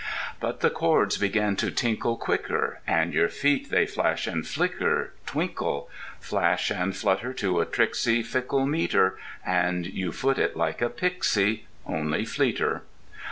But the chords begin to tinkle Quicker, And your feet they flash and flicker— Twinkle!— Flash and flutter to a tricksy Fickle meter; And you foot it like a pixie— Only fleeter!